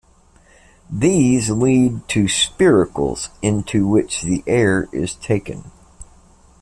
These lead to spiracles into which the air is taken.